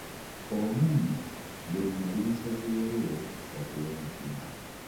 Ono nno gwe nnali nsazeewo okuwa omutima.